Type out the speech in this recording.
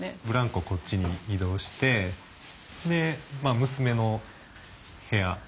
ブランコこっちに移動してで娘の部屋。